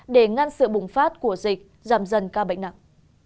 để ngăn sự bùng phát của dịch giảm dần ca bệnh nặng